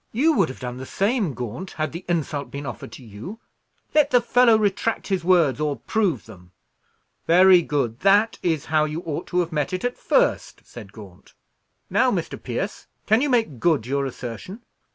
"You would have done the same, Gaunt, had the insult been offered to you. Let the fellow retract his words, or prove them." "Very good. That is how you ought to have met it at first," said Gaunt. "Now, Mr. Pierce, can you make good your assertion?"